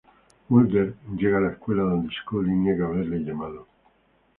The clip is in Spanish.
Mulder llega a la escuela, donde Scully niega haberle llamado.